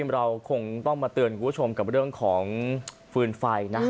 เราคงต้องมาเตือนคุณผู้ชมกับเรื่องของฟืนไฟนะ